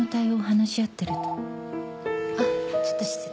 あっちょっと失礼。